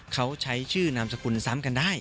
เขาใช้ชื่อนามสกุลซ้ำกันได้